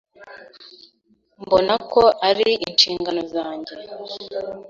Mbona ko ari inshingano zanjye.